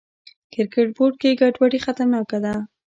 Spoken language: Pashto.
کرکټ بورډ کې ګډوډي خطرناکه ده.